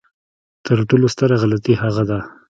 تر ټولو ستره غلطي هغه ده.